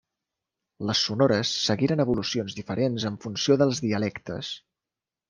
Les sonores seguiren evolucions diferents en funció dels dialectes.